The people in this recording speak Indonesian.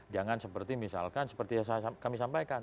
jangan seperti misalkan seperti yang kami sampaikan